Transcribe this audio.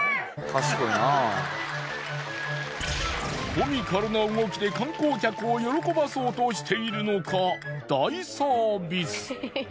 コミカルな動きで観光客を喜ばそうとしているのか大サービス。